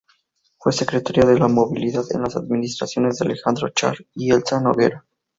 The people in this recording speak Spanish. Fue Secretario de Movilidad en las administraciones de Alejandro Char y Elsa Noguera.